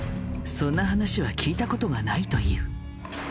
そんな話は聞いたことがないという。